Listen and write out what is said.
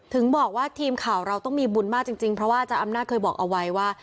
ถึงบอกว่าทีมข่าวเราต้องมีบุญมากจริงเพราะว่าอาจารย์อำนาจเคยบอกเอาไว้ว่า